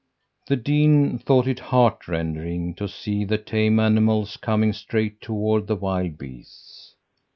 "The dean thought it heart rending to see the tame animals coming straight toward the wild beasts.